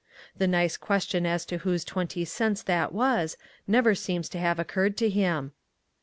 The nice question as to whose twenty cents that was never seems to have occurred to him.